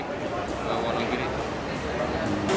cuman kan ini lebih amannya ke pulang kamar yang dulu